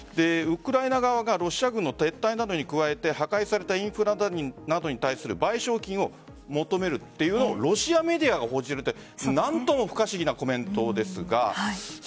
ウクライナ側がロシア軍の撤退などに加えて破壊されたインフラなどに対する賠償金を求めるというロシアメディアが報じているって何とも不可思議なコメントですが。